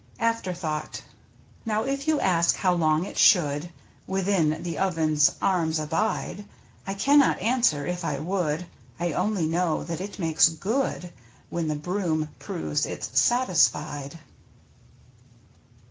AFTERTHOUGHT Now if you ask how long it should Within the oven's arms abide? I cannot answer if I would, I only know that it makes " good," When the broom proves it's satisfied.